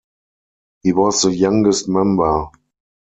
He was the youngest member.